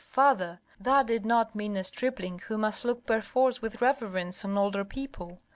Father! that did not mean a stripling who must look perforce with reverence on older people.